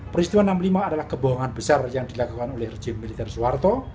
peristiwa seribu sembilan ratus enam puluh lima adalah kebohongan besar yang dilakukan oleh rejim militer suwarto